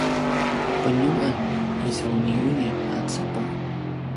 pelju’en isauniuni a cepeng